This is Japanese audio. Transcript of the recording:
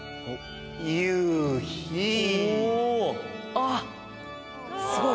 あっすごい。